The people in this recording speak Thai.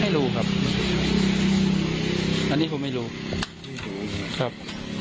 ไม่รู้ครับอันนี้ผมไม่รู้ครับ